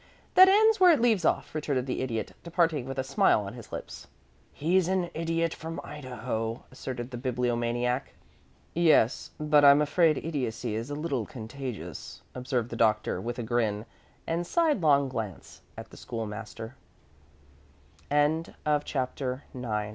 "That ends where it leaves off," retorted the Idiot, departing with a smile on his lips. "He's an Idiot from Idaho," asserted the Bibliomaniac. "Yes; but I'm afraid idiocy is a little contagious," observed the Doctor, with a grin and sidelong glance a